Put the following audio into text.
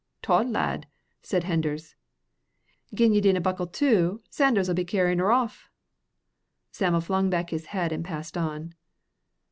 "Tod, lad," said Henders; "gin ye dinna buckle to, Sanders'll be carryin' her off!" Sam'l flung back his head and passed on.